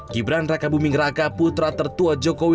gibran raka buming raka putra tertua jokowi